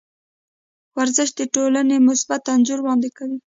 ورزش د ټولنې مثبت انځور وړاندې کوي.